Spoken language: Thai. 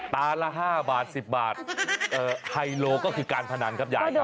ตาละ๕บาท๑๐บาทไฮโลก็คือการพนันครับยายครับ